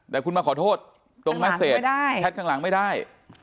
แต่คุณมาขอโทษแท็ตข้างหลังไม่ได้